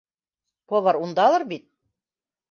— Повар ундалыр бит.